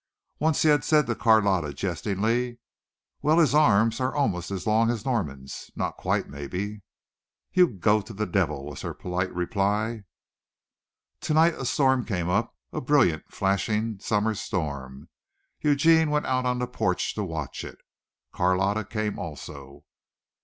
Once he had said to Carlotta jestingly, "Well, his arms are almost as long as Norman's not quite maybe." "You go to the devil," was her polite reply. Tonight a storm came up, a brilliant, flashing summer storm. Eugene went out on the porch to watch it. Carlotta came also.